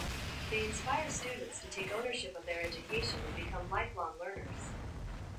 They inspire students to take ownership of their education and become lifelong learners.